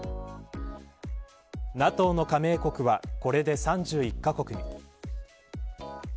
ＮＡＴＯの加盟国はこれで３１カ国に。